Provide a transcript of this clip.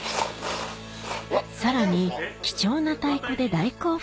さらに貴重な太鼓で大興奮！